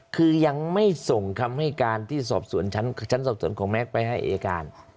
คือยังไม่ส่งคำให้การที่สอบสวนชั้นสอบสวนของแก๊กไปให้อายการ